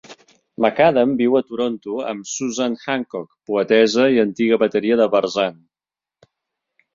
McAdam viu a Toronto amb Suzanne Hancock, poetessa i antiga bateria de Barzin.